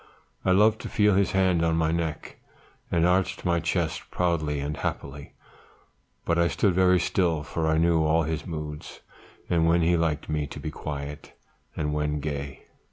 I loved to feel his hand on my neck, and arched my crest proudly and happily; but I stood very still, for I knew all his moods, and when he liked me to be quiet, and when gay.